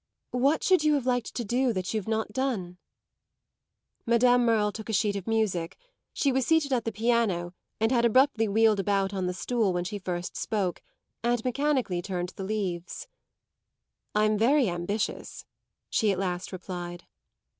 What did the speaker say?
"What should you have liked to do that you've not done?" Madame Merle took a sheet of music she was seated at the piano and had abruptly wheeled about on the stool when she first spoke and mechanically turned the leaves. "I'm very ambitious!" she at last replied.